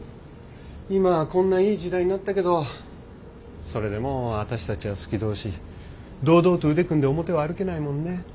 今はこんないい時代になったけどそれでも私たちは好き同士堂々と腕組んで表を歩けないもんね。